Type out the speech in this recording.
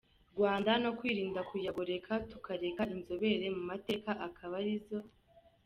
Rwanda, no kwirinda kuyagoreka, tukareka inzobere mu mateka akaba arizo